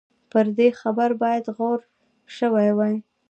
پر دې خبرې باید غور شوی وای.